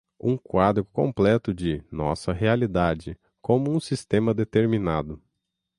um quadro completo de, nossa realidade, como um sistema determinado